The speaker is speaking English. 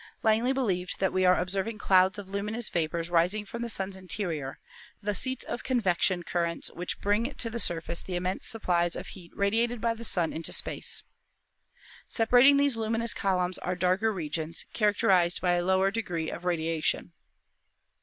Langley believed that we are observing clouds of luminous vapors rising from the Sun's interior, the seats of convection currents which bring to the surface the im mense supplies of heat radiated by the Sun into space. Separating these luminous columns are darker regions, characterized by a lower degree of radiation.